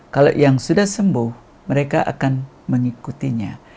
kalau yang sudah sembuh mereka akan mengikutinya